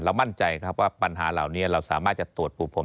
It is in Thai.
มั่นใจครับว่าปัญหาเหล่านี้เราสามารถจะตรวจปูพรม